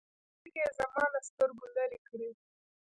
سترګې يې زما له سترګو لرې كړې.